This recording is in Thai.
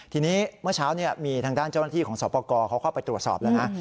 ทีนี้เมื่อเช้ามีทางด้านเจ้าหน้าที่ของสอบประกอบเขาเข้าไปตรวจสอบแล้วนะ